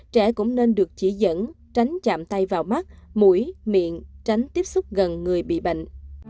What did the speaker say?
trẻ cũng nên được chỉ dẫn tránh chạm tay vào mắt mũi miệng tránh tiếp xúc gần người bị bệnh